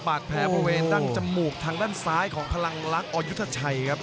บาดแผลบริเวณดั้งจมูกทางด้านซ้ายของพลังลักษณ์อยุทธชัยครับ